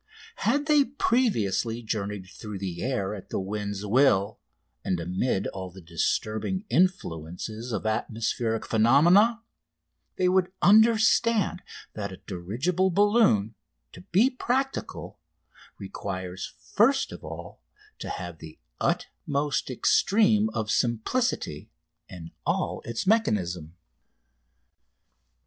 Had they previously journeyed through the air at the wind's will, and amid all the disturbing influences of atmospheric phenomena, they would understand that a dirigible balloon, to be practical, requires first of all to have the utmost extreme of simplicity in all its mechanism.